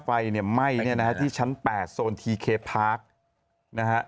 ไฟเนี่ยไหม้เนี่ยนะฮะที่ชั้น๘โซนทีเคพาร์คนะฮะ